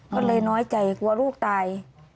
ก็เลยน้อยใจกลัวลูกตาย